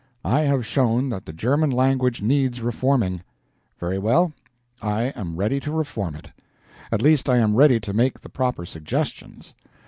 I have shown that the German language needs reforming. Very well, I am ready to reform it. At least I am ready to make the proper suggestions.